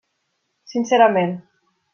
Sincerament.